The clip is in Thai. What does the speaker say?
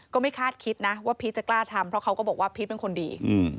ก็ไม่คาดคิดนะว่าพีชจะกล้าทำเพราะเขาก็บอกว่าพีชเป็นคนดี